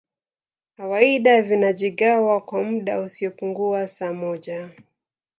kawaida vinajigawa kwa muda usiopungua saa moja